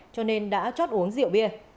cho nên đã chót uống rượu bia